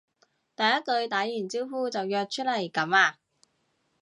第一句打完招呼就約出嚟噉呀？